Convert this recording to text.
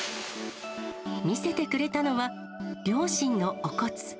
見せてくれたのは、両親のお骨。